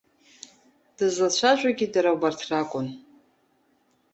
Дызлацәажәогьы дара убарҭ ракәын.